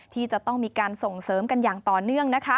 ที่จะต้องมีการส่งเสริมกันอย่างต่อเนื่อง